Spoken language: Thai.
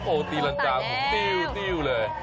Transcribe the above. โอ้ตีลังกาติ้วเลย